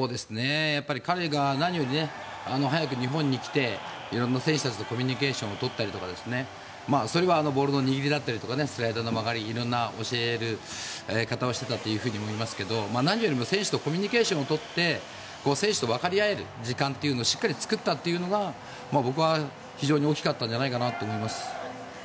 やっぱり彼が何より早く日本に来て選手たちとコミュニケーションを取ったりとかそれはボールの握りだったりスライダーの曲がり色んな教え方をしていたと思いますけど何よりも選手とコミュニケーションを取って選手とわかり合える時間というのをしっかり作ったというのが僕は非常に大きかったんじゃないかと思います。